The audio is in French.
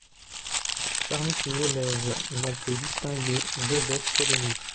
Parmi ses élèves, l'on peut distinguer Joseph Selleny.